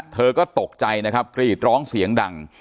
เธอก็ตกใจนะครับกรีดร้องเสียงดัง